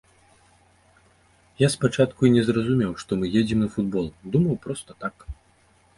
Я спачатку і не зразумеў, што мы едзем на футбол, думаў, проста так.